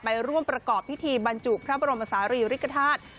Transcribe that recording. ไปร่วมประกอบพิธีบรรจุพระบรมศาลีริกฐาตุ